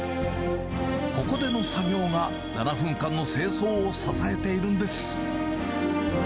ここでの作業が７分間の清掃を支えているんです。